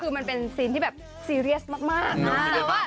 คือมันเป็นซีนที่แบบซีเรียสมาก